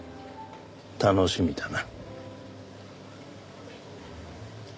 楽しみだな。